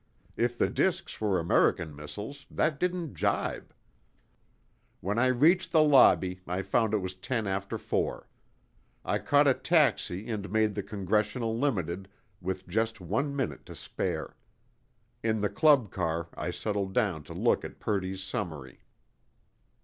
If the disks were American missiles, that didn't jibe. When I reached the lobby, I found it was ten after four. I caught a taxi and made the Congressional Limited with just one minute to spare. In the club car, I settled down to look at Purdy's summary.